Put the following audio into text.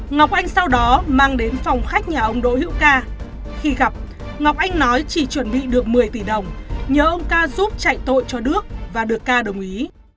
ngọc anh sau đó mang đến phòng khách nhà ông đỗ hữu ca khi gặp ngọc anh nói chỉ chuẩn bị được một mươi tỷ đồng nhờ ông ca giúp chạy tội cho đước và được ca đồng ý